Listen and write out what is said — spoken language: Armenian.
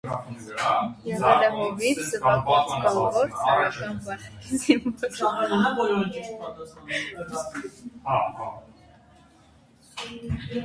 Եղել է հովիվ, սևագործ բանվոր, ցարական բանակի զինվոր։